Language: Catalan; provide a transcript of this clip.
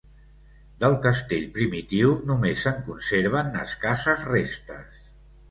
Del castell primitiu només se'n conserven escasses restes.